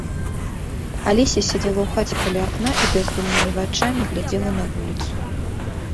Алеся сядзела ў хаце каля акна і бяздумнымі вачамі глядзела на вуліцу.